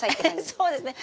そうですね。